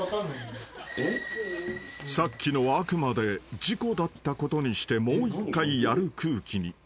［さっきのはあくまで事故だったことにしてもう１回やる空気に］